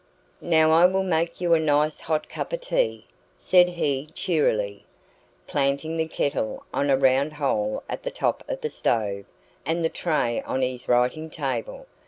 "Now I will make you a nice hot cup of tea," said he cheerily, planting the kettle on a round hole at the top of the stove and the tray on his writing table.